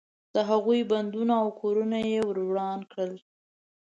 د هغوی بندونه او کورونه یې وران کړل.